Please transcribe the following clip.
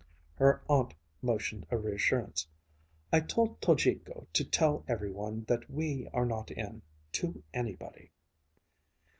Her aunt motioned a reassurance. "I told Tojiko to tell every one that we are not in to anybody."